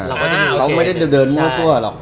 อ่าเค้าไม่ได้เดินทั่วหรอก